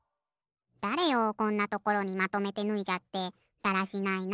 だれよこんなところにまとめてぬいじゃってだらしないな。